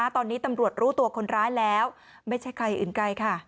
ตอนนี้ตำรวจรู้ตัวคนร้ายแล้วไม่ใช่ใครอื่นไกลค่ะ